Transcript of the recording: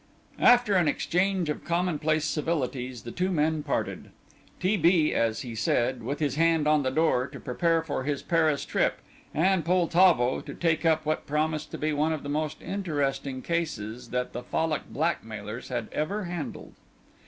After an exchange of commonplace civilities the two men parted, T. B., as he said, with his hand on the door, to prepare for his Paris trip, and Poltavo to take up what promised to be one of the most interesting cases that the Fallock blackmailers had ever handled.